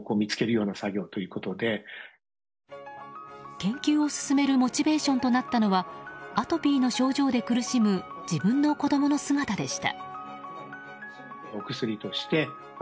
研究を進めるモチベーションとなったのはアトピーの症状で苦しむ自分の子供の姿でした。